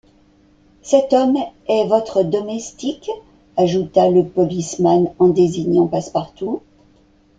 Cet homme est votre domestique? ajouta le policeman en désignant Passepartout.